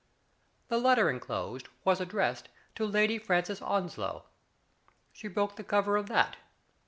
The letter inclosed was addressed to " Lady Francis Onslow." She broke the cover of that.